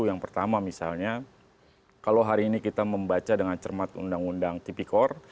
yang pertama misalnya kalau hari ini kita membaca dengan cermat undang undang tipikor